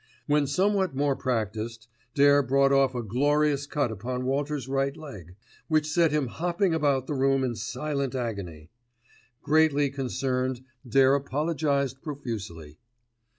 When somewhat more practised, Dare brought off a glorious cut upon Walters' right leg, which set him hopping about the room in silent agony. Greatly concerned Dare apologised profusely.